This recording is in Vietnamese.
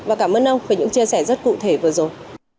và cảm ơn ông về những chia sẻ rất cụ thể vừa rồi